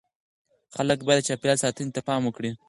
خلک باید د چاپیریال ساتنې ته پام وکړي.